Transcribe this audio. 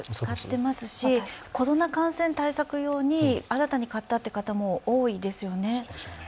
使っていますし、コロナ感染対策用で新たに買ったという方も多いですよね。